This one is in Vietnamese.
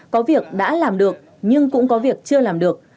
có việc đã làm được nhưng cũng có việc chưa làm được